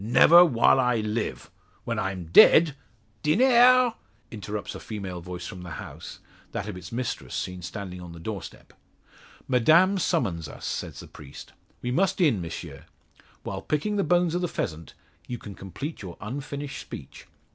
"Never while I live. When I'm dead " "Diner!" interrupts a female voice from the house, that of its mistress seen standing on the doorstep. "Madame summons us," says the priest, "we must in, M'sieu. While picking the bones of the pheasant, you can complete your unfinished speech.